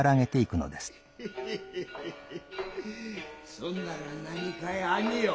そんなら何かい兄よ。